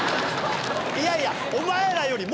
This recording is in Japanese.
いやいやお前らより。